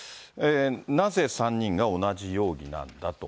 なぜ３人が同じ容疑なんだと。